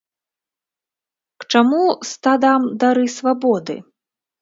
К чаму стадам дары свабоды?